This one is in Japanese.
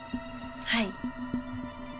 はい。